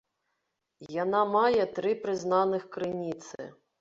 Яна мае тры прызнаных крыніцы.